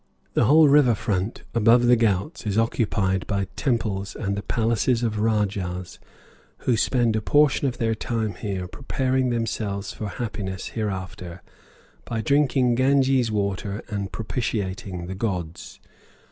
The whole river front above the ghauts is occupied by temples and the palaces of rajahs, who spend a portion of their time here preparing themselves for happiness hereafter, by drinking Ganges water and propitiating the gods.